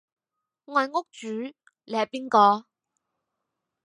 我係屋主你係邊個？